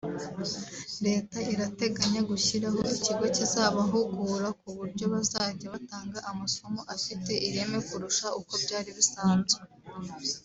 Leta irateganya gushyiraho ikigo kizabahugura ku buryo bazajya batanga amasomo afite ireme kurusha uko byari bisanzwe